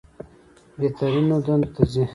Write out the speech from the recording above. بهترینو دندو ته ځي.